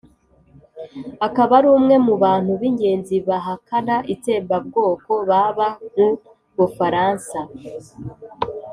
akaba ari umwe mu bantu b'ingenzi bahakana itsembabwoko baba mu bufaransa